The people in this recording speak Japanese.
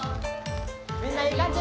みんないい感じ！